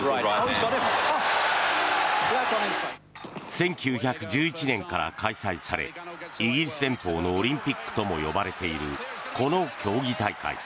１９１１年から開催されイギリス連邦のオリンピックとも呼ばれているこの競技大会。